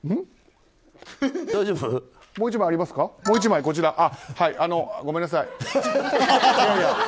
もう１枚、こちら。